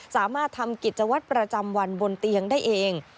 สามารถทำกิจวัตรประจำวันบนเตียงได้เอง